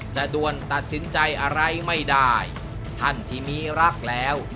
ด้วนตัดสินใจอะไรไม่ได้ท่านที่มีรักแล้ว